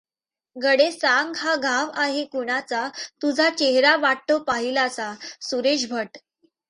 गडे सांग हा घाव आहे कुणाचा तुझा चेहरा वाटतो पाहिलासा, सुरेश भट.